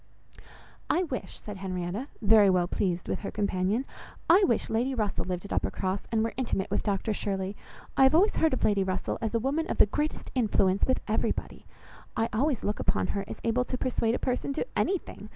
"I wish," said Henrietta, very well pleased with her companion, "I wish Lady Russell lived at Uppercross, and were intimate with Dr Shirley. I have always heard of Lady Russell as a woman of the greatest influence with everybody! I always look upon her as able to persuade a person to anything!